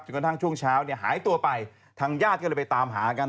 กระทั่งช่วงเช้าเนี่ยหายตัวไปทางญาติก็เลยไปตามหากัน